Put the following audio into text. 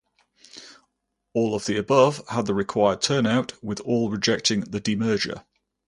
All of the above had the required turnout, with all rejecting the de-merger.